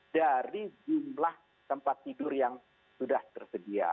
dari jumlah tempat tidur yang sudah tersedia